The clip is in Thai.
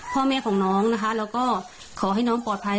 พ่อแม่ของน้องนะคะแล้วก็ขอให้น้องปลอดภัย